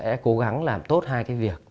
sẽ cố gắng làm tốt hai cái việc